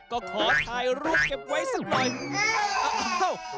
ก็ขอถ่ายรูปเก็บไว้สักหน่อย